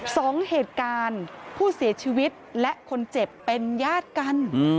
สองเหตุการณ์ผู้เสียชีวิตและคนเจ็บเป็นญาติกัน